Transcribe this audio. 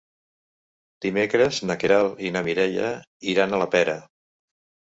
Dimecres na Queralt i na Mireia iran a la Pera.